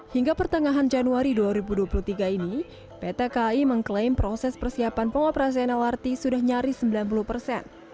hingga pertengahan januari dua ribu dua puluh tiga ini pt kai mengklaim proses persiapan pengoperasian lrt sudah nyaris sembilan puluh persen